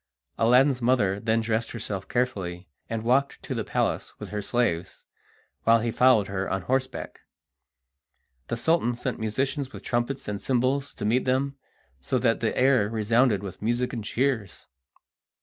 Aladdin's mother then dressed herself carefully, and walked to the palace with her slaves, while he followed her on horseback. The Sultan sent musicians with trumpets and cymbals to meet them, so that the air resounded with music and cheers.